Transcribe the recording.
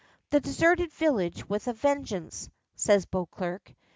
"The deserted village with a vengeance," says Beauclerk.